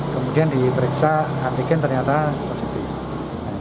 kemudian diperiksa antigen ternyata positif